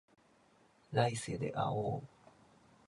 来世で会おう